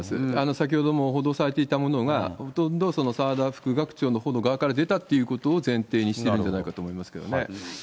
先ほども報道されていたものがほとんど澤田副学長の側から出たということを前提にしてるんじゃないかと思いますけどね。